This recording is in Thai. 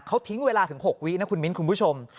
เขาทิ้งเวลาถึง๖วินะคุณมิ้นคุณผู้ชม